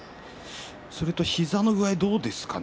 それと、膝の具合はどうですかね？